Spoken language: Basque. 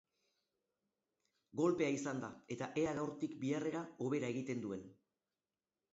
Golpea izan da eta ea gaurtik biharrera hobera egiten duen.